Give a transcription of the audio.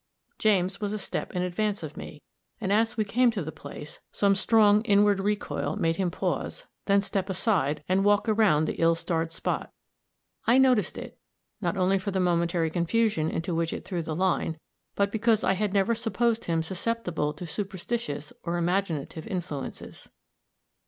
James was a step in advance of me, and as we came to the place, some strong inward recoil made him pause, then step aside and walk around the ill starred spot. I noticed it, not only for the momentary confusion into which it threw the line, but because I had never supposed him susceptible to superstitious or imaginative influences.